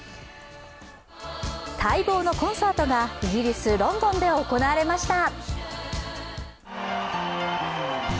待望のコンサートがイギリス・ロンドンで行われました。